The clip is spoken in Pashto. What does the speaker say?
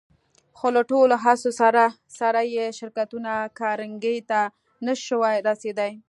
خو له ټولو هڅو سره سره يې شرکتونه کارنګي ته نه شوای رسېدای.